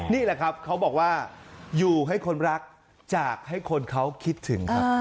นี่แหละครับเขาบอกว่าอยู่ให้คนรักจากให้คนเขาคิดถึงครับ